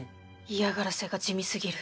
嫌がらせが地味すぎる。